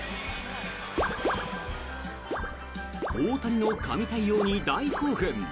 大谷の神対応に大興奮。